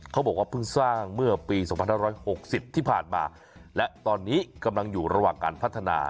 เขาบอกว่าเพิ่งสร้างเมื่อปี๒๕๖๐ที่ผ่านมาและตอนนี้กำลังอยู่ระหว่างการพัฒนา